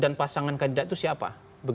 dan pasangan kandidat itu siapa